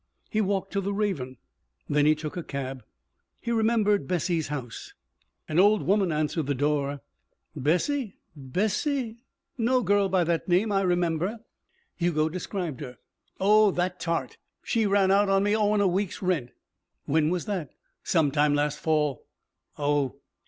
He walked to the Raven. Then he took a cab. He remembered Bessie's house. An old woman answered the door. "Bessie? Bessie? No girl by that name I remember." Hugo described her. "Oh, that tart! She ran out on me owin' a week's rent." "When was that?" "Some time last fall." "Oh."